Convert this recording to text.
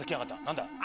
何だ？